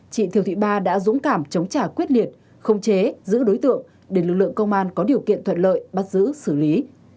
chị thiều thị ba đã dũng cảm chống trả quyết liệt không chế giữ đối tượng để lực lượng công an có điều kiện thuận lợi bắt giữ xử lý